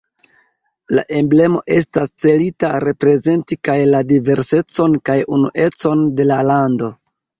La emblemo estas celita reprezenti kaj la diversecon kaj unuecon de la lando.